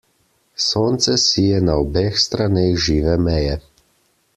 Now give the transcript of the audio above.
Sonce sije na obeh straneh žive meje.